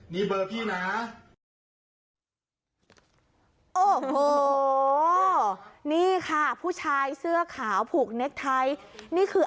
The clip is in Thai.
นี่เบอร์พี่นะโอ้โหนี่ค่ะผู้ชายเสื้อขาวผูกเน็กไทยนี่คือ